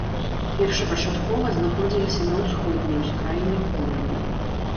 Першапачаткова знаходзіліся на ўсходняй ускраіне горада.